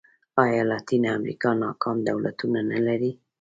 ایا لاتینه امریکا ناکام دولتونه نه لري.